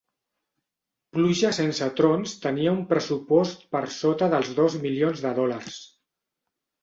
"Pluja sense trons" tenia un pressupost per sota dels dos milions de dòlars.